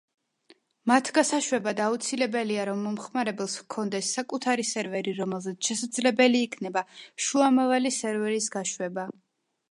მათ გასაშვებად აუცილებელია რომ მომხმარებელს ჰქონდეს საკუთარი სერვერი რომელზეც შესაძლებელი იქნება შუამავალი სერვერის გაშვება.